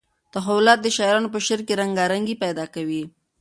تحولات د شاعرانو په شعر کې رنګارنګي پیدا کوي.